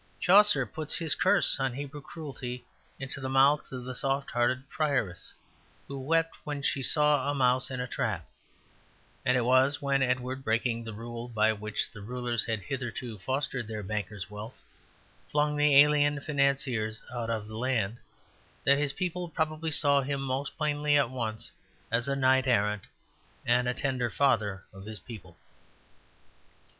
Chaucer puts his curse on Hebrew cruelty into the mouth of the soft hearted prioress, who wept when she saw a mouse in a trap; and it was when Edward, breaking the rule by which the rulers had hitherto fostered their bankers' wealth, flung the alien financiers out of the land, that his people probably saw him most plainly at once as a knight errant and a tender father of his people.